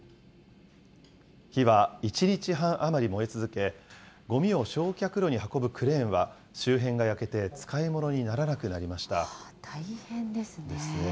火は１日半余り燃え続け、ごみを焼却炉に運ぶクレーンは周辺が焼けて使い物にならなくなり大変ですね。